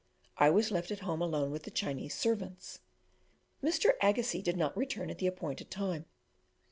I was left at home alone with the Chinese servants. Mr. Agassiz did not return at the appointed time.